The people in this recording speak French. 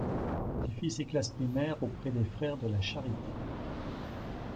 Il y fit ses classes primaires auprès des Frères de la charité.